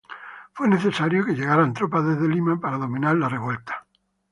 Fue necesario que llegaran tropas desde Lima para dominar la revuelta.